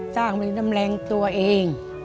สร้างมีน้ำแรงตัวเอง